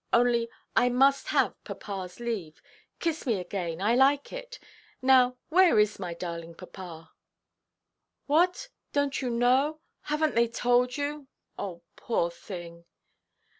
Only I must have papaʼs leave. Kiss me again, I like it. Now where is my darling papa?" "What, donʼt you know? Havenʼt they told you? Oh, poor thing!"